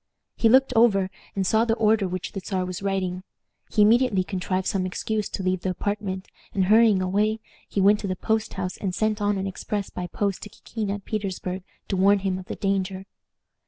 He looked over, and saw the order which the Czar was writing. He immediately contrived some excuse to leave the apartment, and hurrying away, he went to the post house and sent on an express by post to Kikin at Petersburg to warn him of the danger.